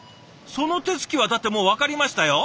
その手つきはだってもう分かりましたよ。